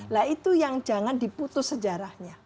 nah itu yang jangan diputus sejarahnya